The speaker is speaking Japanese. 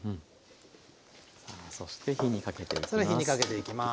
さあそして火にかけていきます。